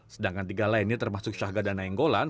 sedangkan tiga lainnya termasuk syahganda nenggolan